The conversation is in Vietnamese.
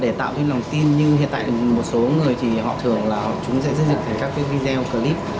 để tạo thêm lòng tin như hiện tại một số người thì họ thường là chúng sẽ xây dựng các cái video clip